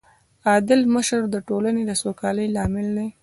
عادل مشر د ټولنې د سوکالۍ لامل دی.